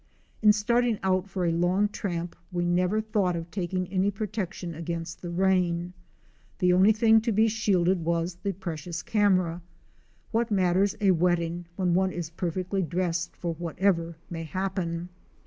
In starting out for a long tramp we never thought of taking any protection against the rain. 'The only thing to be shielded was the precious camera. What matters a wetting when one is perfectly dressed for whatever may happen!